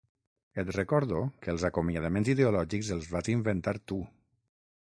Et recordo que els acomiadaments ideològics els vas inventar tu.